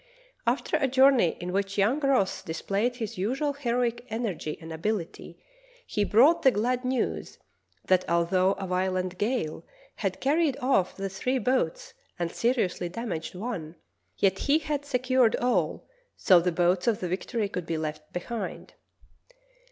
After a journey in which young Ross displayed his usual heroic energy and ability, he brought the glad news that although a violent gale had carried off the three boats and seriously damaged one, yet he had secured all so that the boats of the Victory could be left behind.